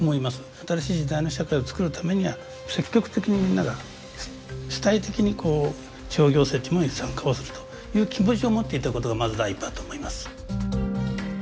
新しい時代の社会を作るためには積極的にみんなが主体的に地方行政っていうものに参加をするという気持ちを持っていただくことがまず第一歩だと思います。